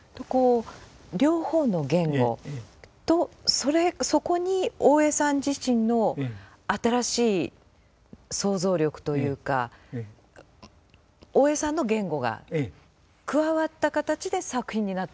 両方の言語とそこに大江さん自身の新しい創造力というか大江さんの言語が加わった形で作品になっていくってこと。